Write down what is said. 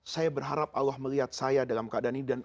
saya berharap allah melihat saya dalam keadaan yang baik dan baik